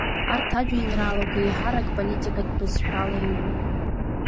Арҭ ажәеинраалақәа еиҳарак политикатә бызшәала иҩуп.